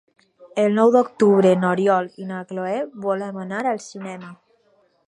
El nou d'octubre n'Oriol i na Cloè volen anar al cinema.